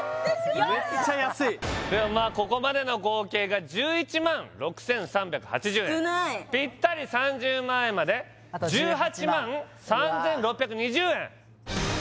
めっちゃ安いでもまあここまでの合計が１１万６３８０円少ないぴったり３０万円まであと１８万１８万３６２０円うわ